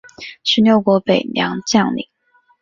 十六国北凉将领。